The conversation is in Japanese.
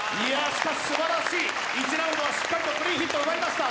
しかしすばらしい、１ラウンドはしっかりクリーンヒットを奪いました。